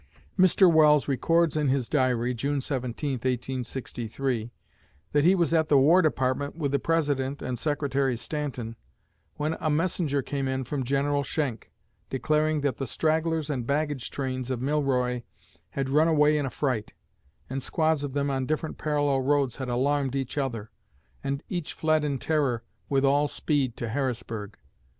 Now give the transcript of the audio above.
Mr. Welles records in his Diary (June 17, 1863) that he was at the War Department with the President and Secretary Stanton, when "a messenger came in from General Schenck, declaring that the stragglers and baggage trains of Milroy had run away in affright, and squads of them on different parallel roads had alarmed each other, and each fled in terror with all speed to Harrisburg.